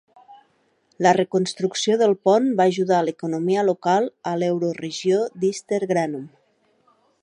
La reconstrucció del pont va ajudar l'economia local a l'euroregió d'Ister-Granum.